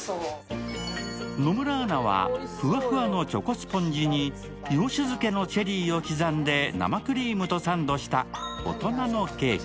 野村アナはフワフワのチョコスポンジに洋酒漬けのチェリーを刻んで生クリームとサンドした大人のケーキ。